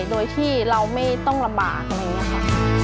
โดยที่เราไม่ต้องลำบากอะไรอย่างนี้ค่ะ